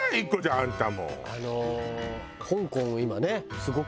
あんたもう。